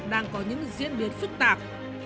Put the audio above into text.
đang có những diễn biến phức tạp